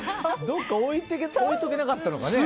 どっか置いとけなかったのかね。